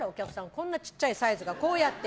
こんな小さいサイズがこうやって。